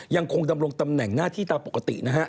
ยังคงดำรงตำแหน่งหน้าที่ตามปกตินะฮะ